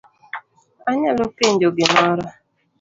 Anyalo penjo gimoro?